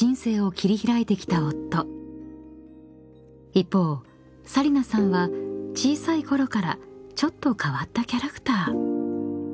［一方紗理那さんは小さいころからちょっと変わったキャラクター］